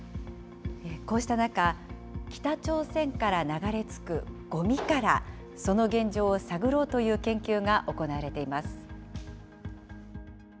こうした中、北朝鮮から流れ着くごみから、その現状を探ろうという研究が行われています。